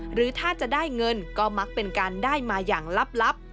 หรือถ้าจะได้เงินก็มักเป็นการได้มาอย่างลับ